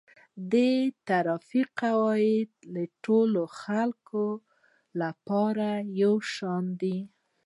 د ترافیک قواعد د ټولو خلکو لپاره یو شان دي.